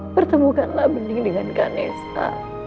pertemukanlah bening dengan kanesta